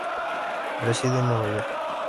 Reside en Nueva York.